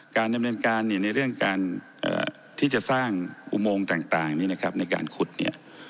การดำเนินการเนี่ยในเรื่องการที่จะสร้างอุโมงต่างนี้นะครับในการขุดเนี่ย